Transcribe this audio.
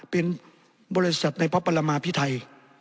เป็นบริษัทในพระปรมาพิไทย